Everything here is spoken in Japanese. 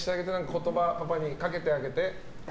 言葉パパにかけてあげて。